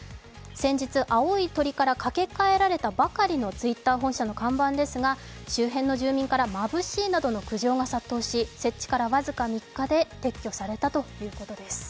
先日、青い鳥からかけかえられたばかりのＴｗｉｔｔｅｒ本社の看板ですが、周辺の住民から「まぶしい」などの苦情が殺到し設置から僅か３日で撤去されたということです。